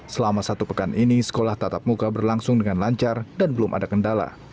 selama satu pekan ini sekolah tatap muka berlangsung dengan lancar dan belum ada kendala